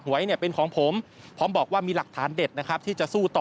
หวยเป็นของผมพร้อมบอกว่ามีหลักฐานเด็ดที่จะสู้ต่อ